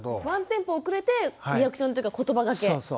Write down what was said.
ワンテンポ遅れてリアクションっていうかことばがけ。